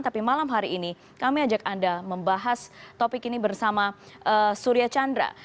tapi malam hari ini kami ajak anda membahas topik ini bersama surya chandra